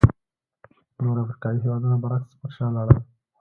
نور افریقایي هېوادونه برعکس پر شا لاړل.